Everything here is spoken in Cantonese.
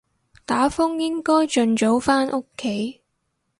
打風應該盡早返屋企